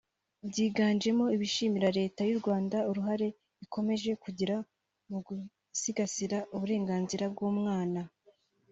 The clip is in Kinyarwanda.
byiganjemo ibishimira Leta y’u Rwanda uruhare ikomeje kugira mu gusigasira uburenganzira bw’umwana